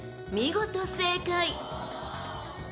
見事正解］